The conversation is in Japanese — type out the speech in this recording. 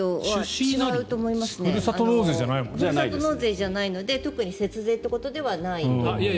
ふるさと納税じゃないので特に節税ってことではない。